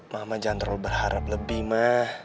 mama jangan terlalu berharap lebih mah